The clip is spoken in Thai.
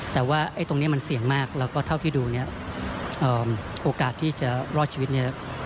แต่ว่าตรงนี้มันเสี่ยงมากแล้วก็เท่าที่ดูเนี่ยโอกาสที่จะรอดชีวิตเนี่ย